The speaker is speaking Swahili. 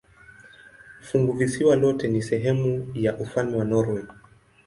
Funguvisiwa lote ni sehemu ya ufalme wa Norwei.